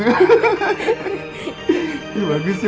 ini bagus ya